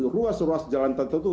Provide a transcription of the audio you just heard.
ruas ruas jalan tertentu